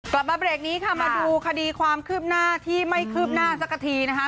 กลับมาเบรกนี้ค่ะมาดูคดีความคืบหน้าที่ไม่คืบหน้าสักทีนะคะ